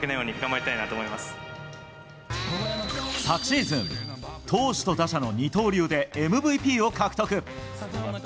昨シーズン、投手と打者の二刀流でＭＶＰを獲得。